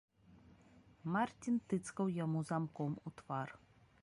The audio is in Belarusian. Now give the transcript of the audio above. Марцін тыцкаў яму замком у твар.